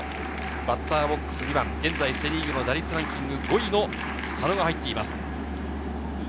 バッターボックス、２番、現在セ・リーグ打率ランキング５位の佐野が入っています。